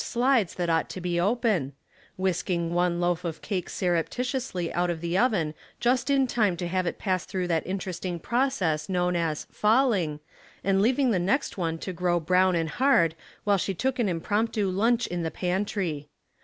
elides that ought to be open ; whisking one loaf oi cake surreptitiously out of the oven jnsz in <iime to have it pass through that interesting process known as '' falling," and leaving the 4ext one to grow brown and hard while she took An impromptu lunch in the pantry.